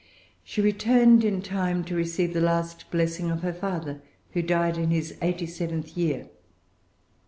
She returned in time to receive the last blessing of her father, who died in his eighty seventh year.